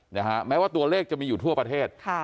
นะฮะแม้ว่าตัวเลขจะมีอยู่ทั่วประเทศค่ะ